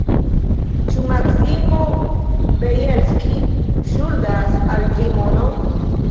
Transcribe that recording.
Ĉu Maksimo Bjelski ŝuldas al vi monon?